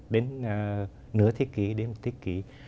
đến nửa thế kỷ đến một thế kỷ